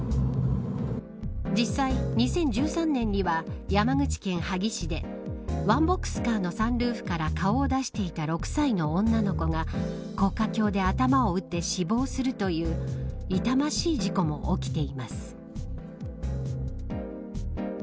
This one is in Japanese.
実際、２０１３年には山口県萩市でワンボックスカーのサンルーフから顔を出していた６歳の女の子が高架橋で頭を打って死亡するという痛ましい事故も起きています。